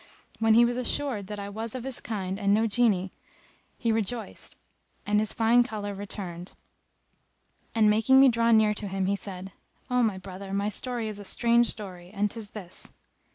When he was assured that I was of his kind and no Jinni, he rejoiced and his fine colour returned; and, making me draw near to him he said, "O my brother, my story is a strange story and 'tis this.